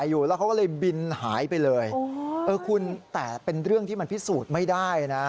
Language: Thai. โดยที่ไม่เหลืออะไรให้เห็นภายในเวลาแค่เสี่ยวอึดใจ